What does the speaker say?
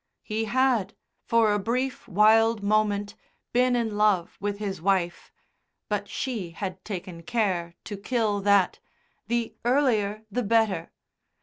He had, for a brief wild moment, been in love with his wife, but she had taken care to kill that, "the earlier the better."